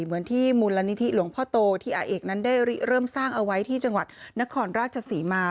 เหมือนที่มูลนิธิหลวงพ่อโตที่อาเอกนั้นได้เริ่มสร้างเอาไว้ที่จังหวัดนครราชศรีมา